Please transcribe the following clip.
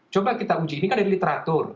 coba kita uji ini kan dari literatur